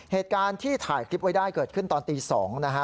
เหตุการณ์ที่ถ่ายคลิปไว้ได้เกิดขึ้นตอนตี๒นะฮะ